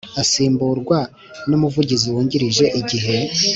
Asimburwa n umuvugizi wungirije igihe